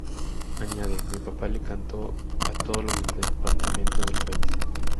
Añade: “Mi papá le cantó a todos los departamentos del país.